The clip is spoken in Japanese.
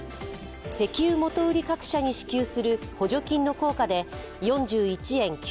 石油元売り各社に支給する補助金の効果で４１円９０銭